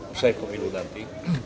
usai pemilu nanti